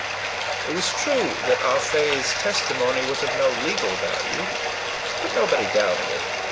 It was true that Ah Fe's testimony was of no legal value. But nobody doubted it.